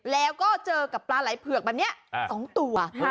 แล้วก็เจอกับปลาไหล่เผือกแบบนี้๒ตัว